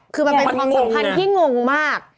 คือมันเป็นความสัมพันธ์ที่งงมาก